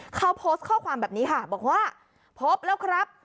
เขาโพสต์ข้อความแบบนี้ค่ะบอกว่าพบแล้วครับ